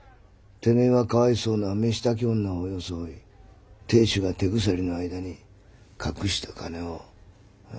てめえはかわいそうな飯炊き女を装い亭主が手鎖の間に隠した金を総取りか？